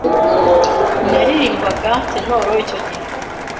Naririmbaga Tenor icyo gihe